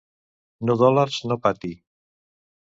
No dòlars, no Patti.